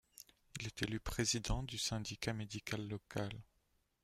Il est élu président du syndicat médical local.